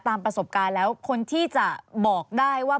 ประสบการณ์แล้วคนที่จะบอกได้ว่า